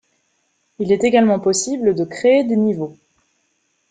Il est également possible de créer des niveaux.